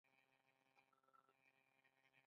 د وینې کلچر جراثیم ښيي.